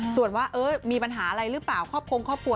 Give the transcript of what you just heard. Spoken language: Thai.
ส่วนว่ามีปัญหาอะไรหรือเปล่าครอบครัวงครอบครัว